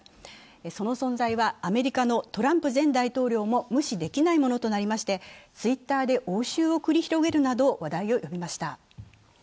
その存在はアメリカのトランプ前大統領も無視できないものとなりまして、Ｔｗｉｔｔｅｒで応酬を繰り広げるなど、話題を呼びました。